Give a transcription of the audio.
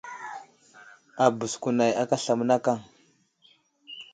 Abəz kunay aka aslam mənakaŋ.